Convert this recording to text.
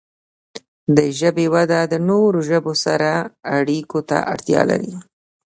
د ژبې وده د نورو ژبو سره اړیکو ته اړتیا لري.